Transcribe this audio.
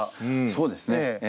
そうですね。